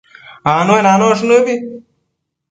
Anuenanosh nëbi